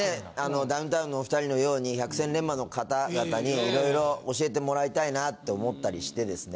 ダウンタウンのお２人のように百戦錬磨の方々に色々教えてもらいたいなって思ったりしてですね